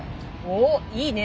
おっいいね。